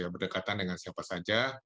berdekatan dengan siapa saja